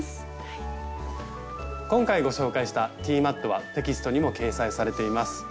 今回ご紹介した「ティーマット」はテキストにも掲載されています。